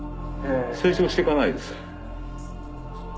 成長して行かないです。